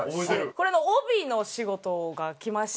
これの帯の仕事がきまして。